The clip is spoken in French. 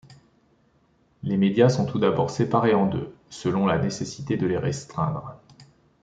Les médias sont tout d'abord séparés en deux, selon la nécessité de les restreindre.